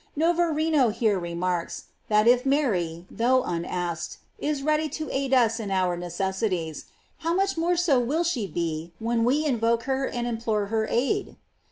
Kovarino here remarks, tli at if Mary, though un asked, is so ready to aid us in our necessities, how mucli more so will she be when we invoke her and implore her aid!